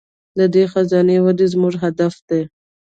د دې خزانې وده زموږ هدف دی.